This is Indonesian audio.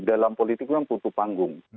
dalam politik memang butuh panggung